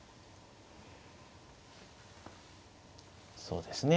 そうですね。